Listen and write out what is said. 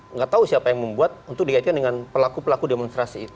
nggak tahu siapa yang membuat untuk dikaitkan dengan pelaku pelaku demonstrasi itu